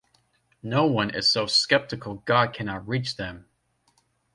no one is so skeptical God cannot reach them